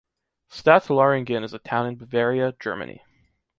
Stadt Lauringen is a town in Bavaria, Germany.